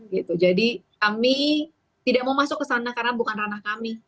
gitu jadi kami tidak mau masuk ke sana karena bukan ranah kami